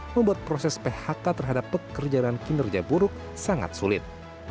membuat proses phk terhadap pekerjaan kinerja buruk sangat sulit